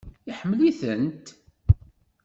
Iḥemmel-itent?